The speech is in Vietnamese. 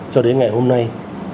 cho đến ngày hôm nay